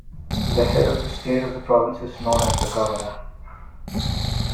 The head of state of the province is known as the Governor.